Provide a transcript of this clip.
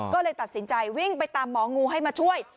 ก็เลยตัดสินใจวิ่งไปตามหมองูให้มาช่วย